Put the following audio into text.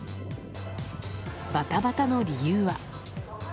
バタバタの理由は。